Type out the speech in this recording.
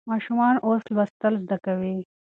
ماشومان اوس لوستل زده کوي.